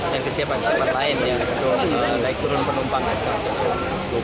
yang disiapkan siapa siapa lain yaitu daik turun penumpang